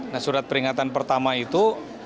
nah surat peringatan pertama itu